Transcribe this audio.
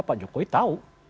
pak jokowi tahu